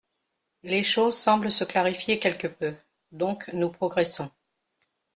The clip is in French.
Les choses semblent se clarifier quelque peu, donc nous progressons.